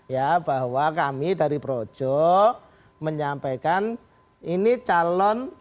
ya bahwa kami dari projok menyampaikan ini calon wapres ini